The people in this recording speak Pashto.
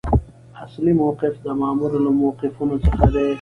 اصلي موقف د مامور له موقفونو څخه دی.